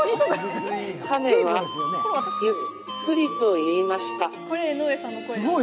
カメはゆっくりと言いました。